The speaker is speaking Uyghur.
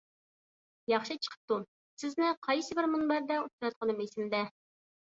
ياخشى چىقىپتۇ، سىزنى قايسى بىر مۇنبەردە ئۇچراتقىنىم ئېسىمدە.